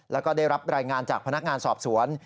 แล้วก็ได้รับรายงานจากพนักงานสอบสวน